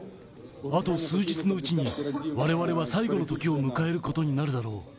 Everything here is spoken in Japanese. あと数日のうちに、われわれは最後の時を迎えることになるだろう。